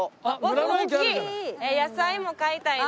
野菜も買いたいな。